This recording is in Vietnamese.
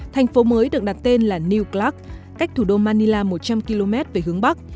thành phố mới được đặt tên là new clark cách thủ đô manila một trăm linh km về hướng bắc